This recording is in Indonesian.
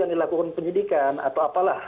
dilakukan penyidikan atau apalah